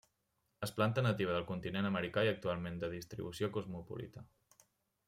Es planta nativa del continent americà i actualment de distribució cosmopolita.